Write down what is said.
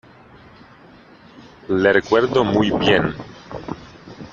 le recuerdo muy bien.